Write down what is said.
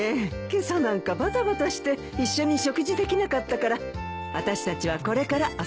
今朝なんかバタバタして一緒に食事できなかったからあたしたちはこれから朝ご飯なのよ。